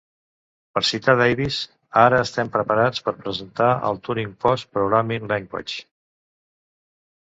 Per citar Davis: ara estem preparats per presentar el Turing-Post Programming Language.